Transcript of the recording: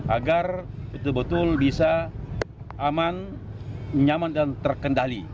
agar betul betul bisa aman nyaman dan terkendali